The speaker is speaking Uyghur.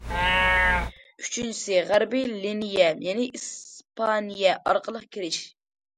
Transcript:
ئۈچىنچىسى، غەربىي لىنىيە، يەنى ئىسپانىيە ئارقىلىق كىرىش.